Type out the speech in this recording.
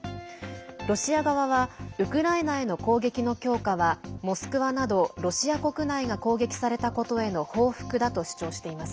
ロシア側はウクライナへの攻撃の強化はモスクワなど、ロシア国内が攻撃されたことへの報復だと主張しています。